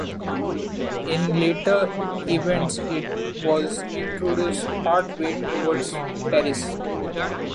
In later events, it was introduced part-way towards Paris.